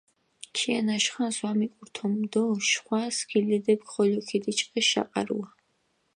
ქიანაშ ხანს ვამიკურთუმჷ დო შხვა სქილედეფქ ხოლო ქიდიჭყეს შაყარუა.